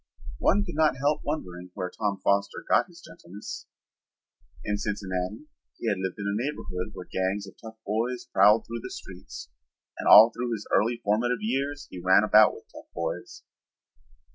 One could not help wondering where Tom Foster got his gentleness. In Cincinnati he had lived in a neighborhood where gangs of tough boys prowled through the streets, and all through his early formative years he ran about with tough boys.